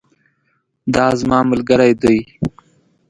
دا زما ملګری دی